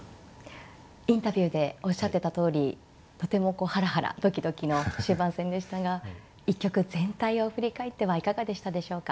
インタビューでおっしゃってたとおりとてもハラハラドキドキの終盤戦でしたが一局全体を振り返ってはいかがでしたでしょうか。